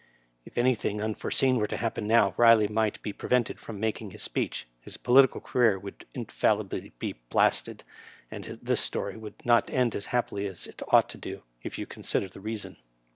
K anything unforeseen were to happen now, Riley might be prevented from making his speech, his political career would infallibly be blasted, and this story would not end as happily as it ought to do, if you consider the reason.